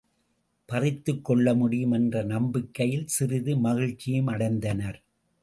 பறித்துக் கொள்ள முடியும் என்ற நம்பிக்கையில் சிறிது மகிழ்ச்சியும் அடைந்தனர்.